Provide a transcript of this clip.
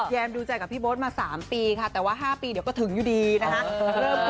ดูใจกับพี่โบ๊ทมา๓ปีค่ะแต่ว่า๕ปีเดี๋ยวก็ถึงอยู่ดีนะคะ